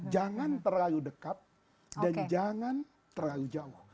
jangan terlalu dekat dan jangan terlalu jauh